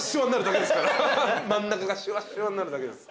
真ん中がしわしわになるだけです。